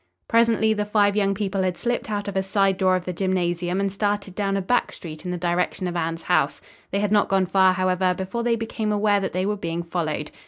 Presently the five young people had slipped out of a side door of the gymnasium and started down a back street in the direction of Anne's house. They had not gone far, however, before they became aware that they were being followed.